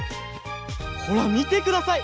ほらみてください！